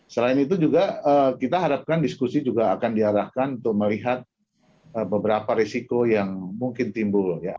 selain itu juga kita harapkan diskusi juga akan diarahkan untuk melihat beberapa risiko yang mungkin timbul ya